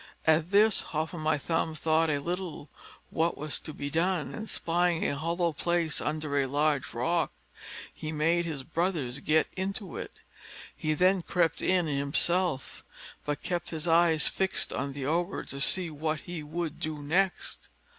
At this Hop o' my thumb thought a little what was to be done; and spying a hollow place under a large rock, he made his brothers get into it. He then crept in himself, but kept his eye fixed on the Ogre, to see what he would do next.